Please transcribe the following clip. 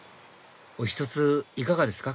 お１ついかがですか？